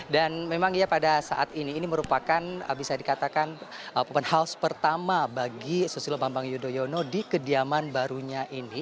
dan memang ya pada saat ini ini merupakan bisa dikatakan open house pertama bagi susilo bambang yudhoyono di kediaman barunya ini